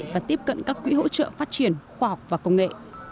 và tiếp cận các quỹ hỗ trợ phát triển khoa học và công nghệ